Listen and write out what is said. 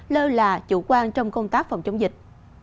lơ là chủ quan trong công tác phòng chống dịch